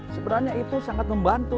sebenarnya itu sangat membantu